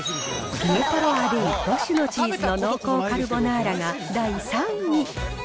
ピエトロ・ア・デイ、５種のチーズの濃厚カルボナーラが第３位に。